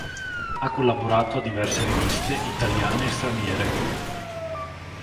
Ha collaborato a diverse riviste, italiane e straniere.